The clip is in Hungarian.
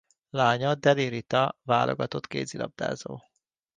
Lánya Deli Rita válogatott kézilabdázó.